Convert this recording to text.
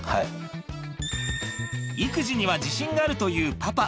育児には自信があるというパパ。